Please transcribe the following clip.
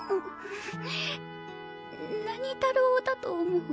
何太郎だと思う？